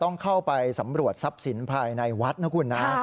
ต้องเข้าไปสำรวจทรัพย์สินภายในวัดนะคุณนะ